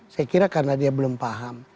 saya kira karena dia belum paham